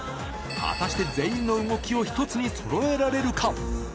果たして全員の動きを一つにそろえられるか。